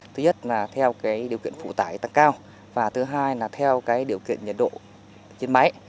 thứ nhất là theo điều kiện phụ tải tăng cao và thứ hai là theo điều kiện nhiệt độ trên máy